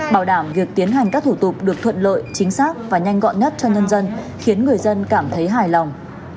bảo đảm việc tiến hành các thủ tục được thuận lợi chính xác và nhanh gọn nhất cho nhân dân khiến người dân cảm thấy hài lòng